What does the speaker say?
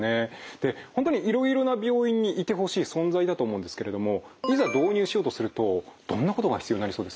で本当にいろいろな病院にいてほしい存在だと思うんですけれどもいざ導入しようとするとどんなことが必要になりそうですか？